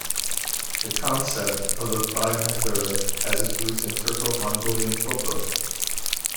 The concept of the Baghatur has its roots in Turco-Mongolian folklore.